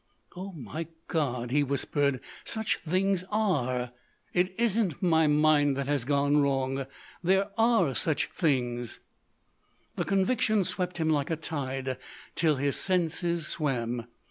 "Oh, my God!" he whispered, "such things are! It isn't my mind that has gone wrong. There are such things!" The conviction swept him like a tide till his senses swam.